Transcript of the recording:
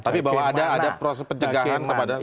tapi bahwa ada proses pencegahan kepada